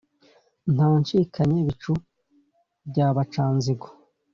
ntancikanye bicu bya bacanzigo.